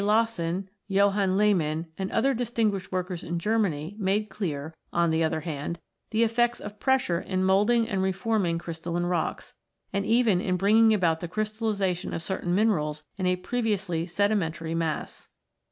Lessen, Johann Lehmann, and other distinguished workers in Germany made clear, on the other hand, the effects of pressure in moulding and reforming crystalline rocks, and even in bringing about the crystallisation of certain minerals in a previously sedimentary mass.